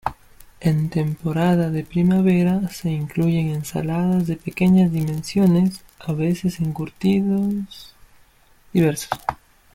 En temporada de primavera se incluyen ensaladas de pequeñas dimensiones, a veces encurtidos diversos.